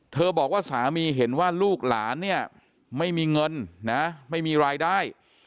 บอกว่าสามีเห็นว่าลูกหลานเนี่ยไม่มีเงินนะไม่มีรายได้